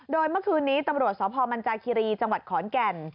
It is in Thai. โดยเมื่อคืนนี้ตำรวจสพมันจาคิรีจังหวัดขอนแก่น